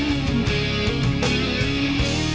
อย่าลืมเป็นกำลังใจของเธอ